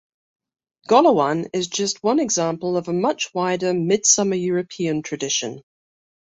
Golowan is just one example of a much wider Midsummer European tradition.